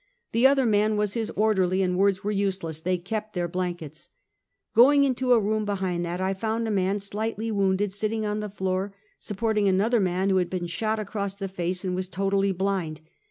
The other man was his orderly, and words were useless — they kept their blankets. Going into a room behind that, I found a man slightly wounded sitting on the floor, supporting an other who had been shot across the face, and was totally blind.